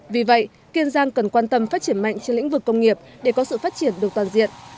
vì vậy kiên giang cần quan tâm phát triển mạnh trên lĩnh vực công nghiệp để có sự phát triển được toàn diện